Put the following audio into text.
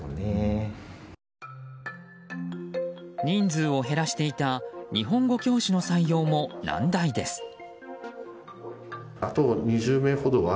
人数を減らしていた日本語教師の採用も難題です。